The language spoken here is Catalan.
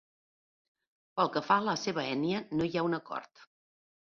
Pel que fa a la seva ètnia no hi ha un acord.